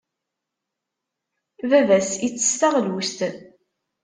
Baba-s ittess taɣlust?